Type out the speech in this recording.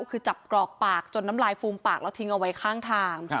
คือจับกรอกปากจนน้ำลายฟูมปากแล้วทิ้งเอาไว้ข้างทาง